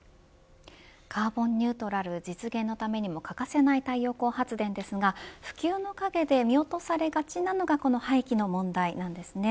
カーボンニュートラル実現のためにも欠かせない太陽光発電ですが普及の陰で見落とされがちなのがこの廃棄の問題なんですね。